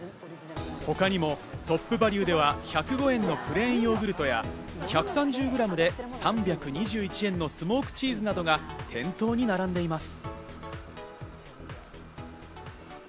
他にもトップバリュでは、１０５円のプレーンヨーグルトや１３０グラムで３２１円のスモークチーズなどが店頭に並んでいます。